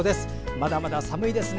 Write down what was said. まだまだ寒いですね。